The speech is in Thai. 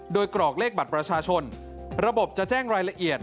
โดยกรอกเลขบัตรประชาชนระบบจะแจ้งรายละเอียด